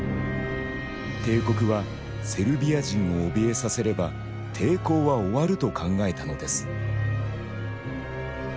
帝国はセルビア人をおびえさせれば抵抗は終わると考えたのです。